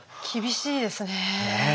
厳しいですね。